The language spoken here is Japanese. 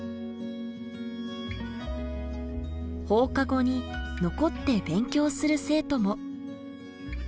放課後に残って勉強する生徒も。